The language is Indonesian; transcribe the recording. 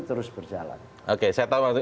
terus berjalan oke saya tahu